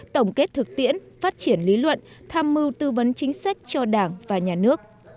tổng kết thực tiễn phát triển lý luận tham mưu tư vấn chính sách cho đảng và nhà nước